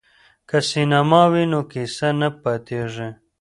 که سینما وي نو کیسه نه پاتیږي.